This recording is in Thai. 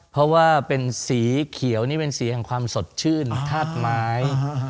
เพราะว่าเป็นสีเขียวนี่เป็นสีแห่งความสดชื่นธาตุไม้